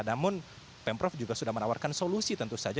namun pemprov juga sudah menawarkan solusi tentu saja